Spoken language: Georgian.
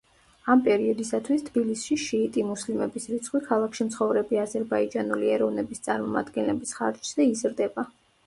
ამ პერიოდისათვის თბილისში შიიტი მუსლიმების რიცხვი ქალაქში მცხოვრები აზერბაიჯანული ეროვნების წარმომადგენლების ხარჯზე იზრდება.